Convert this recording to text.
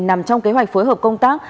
nằm trong kế hoạch phối hợp công tác